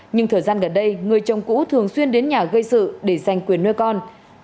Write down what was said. nhưng thời gian gần đây người chồng cũ thường xuyên đến nhà gây sự để giành quyền nuôi con